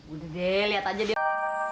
udah deh lihat aja deh